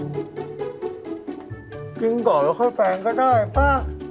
ดึงหรอกแล้วไฟล์ก็ได้ปะ